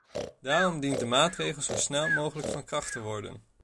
Daarom dient de maatregel zo snel mogelijk van kracht te worden.